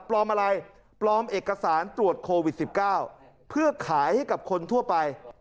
ปลอมอะไรปลอมเอกสารตรวจโควิด๑๙เพื่อขายให้กับคนทั่วไป